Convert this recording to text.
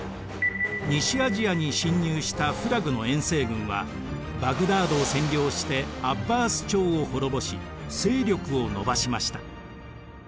西アジアに侵入したフラグの遠征軍はバグダードを占領してアッバース朝を滅ぼし勢力を伸ばしました。